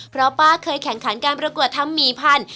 เพราะป้าเคยแข่งขันการประกวดทำหมี่พันธุ